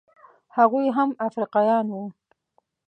هغوی هم افریقایان وو.